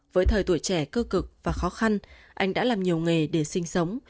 với thời tuổi trẻ cơ cực và khó khăn anh đã làm nhiều nghề để sinh sống